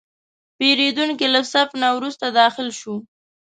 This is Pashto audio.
پیرودونکی له صف نه وروسته داخل شو.